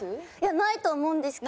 ないと思うんですけど。